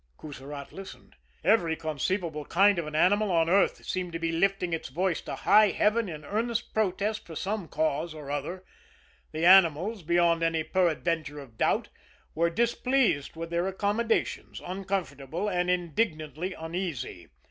Coussirat listened. Every conceivable kind of an animal on earth seemed to be lifting its voice to High Heaven in earnest protest for some cause or other the animals, beyond any peradventure of doubt, were displeased with their accommodations, uncomfortable, and indignantly uneasy.